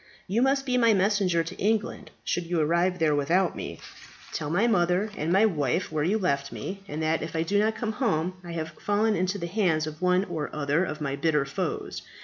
You must be my messenger to England, should you arrive there without me. Tell my mother and wife where you left me, and that, if I do not come home I have fallen into the hands of one or other of my bitter foes.